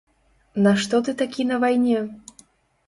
На што ты такі на вайне?